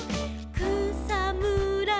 「くさむら